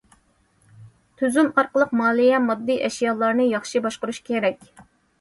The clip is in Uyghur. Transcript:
تۈزۈم ئارقىلىق مالىيە، ماددىي ئەشيالارنى ياخشى باشقۇرۇش كېرەك.